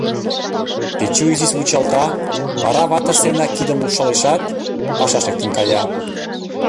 — Печу изиш вучалта, вара ватыж семынак кидым лупшалешат, пашаш лектын кая.